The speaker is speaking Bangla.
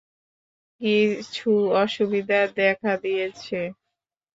কিছু অসুবিধা দেখা দেখিয়েছে।